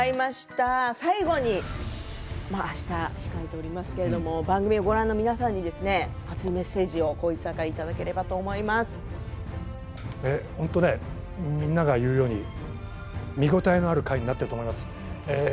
最後にあした控えておりますけれども番組をご覧の皆さんにメッセージをみんなが言うように見応えのある回になっていると思います。